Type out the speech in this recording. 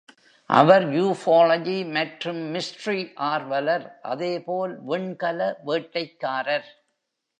அவர் ufology மற்றும் mystery ஆர்வலர், அதே போல் விண்கல வேட்டைக்காரர்.